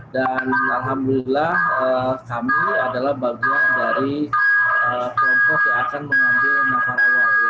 dan alhamdulillah kami adalah bagian dari kelompok yang akan mengambil nafas awal